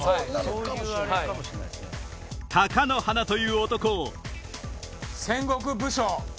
貴乃花という男を戦国武将。